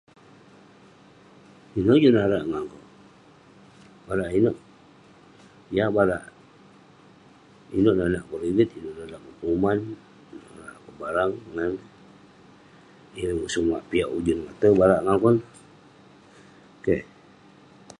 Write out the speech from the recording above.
Inouk juk narak ngan kok..barak inouk..niah barak, inouk nonak kok ..rigit, inouk nonak kok..penguman..nonak kok barang..yeng sumak piak ujun ngate barak ngan kok neh, keh..